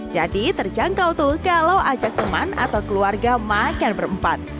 jadi terjangkau tuh kalau ajak teman atau keluarga makan berempat